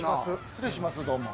失礼しますどうも。